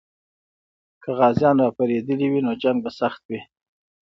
که غازیان راپارېدلي وي، نو جنګ به سخت وي.